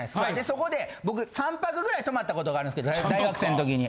そこで僕３泊ぐらい泊まった事があるんですけど大学生のときに。